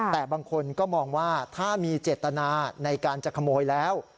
แต่บางคนก็มองว่าถ้ามีเจตนาในการจะขโมยแล้ว